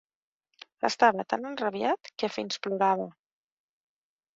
Estava tan enrabiat, que fins plorava.